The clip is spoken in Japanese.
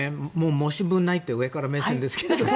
申し分ないって上から目線ですけど。